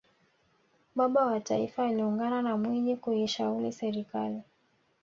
baba wa taifa aliungana na mwinyi kuishauli serikali